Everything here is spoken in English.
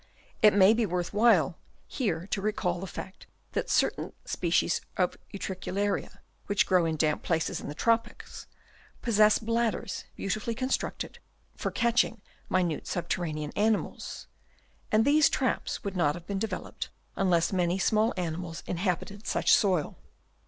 It mav be worth, while here to recall the fact that certain species of Utricularia, which grow in damp places in the tropics, possess bladders beautifully constructed for catching minute subterranean animals ; and these traps would not have been developed unless many small animals inhabited such soil.